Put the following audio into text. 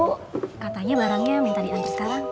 bu katanya barangnya minta diantar sekarang